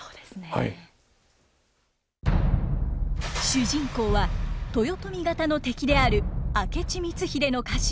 主人公は豊臣方の敵である明智光秀の家臣明智左馬介。